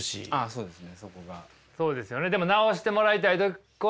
そうですね。